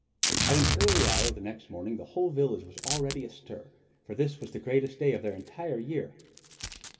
At an early hour the next morning the whole village was already astir, for this was the greatest day of their entire year.